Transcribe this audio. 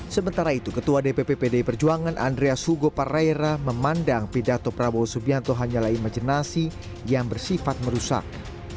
sementara itu ketua dpp pdi perjuangan andreas hugo pareira memandang pidato prabowo subianto hanyalah imajinasi yang bersifat merusak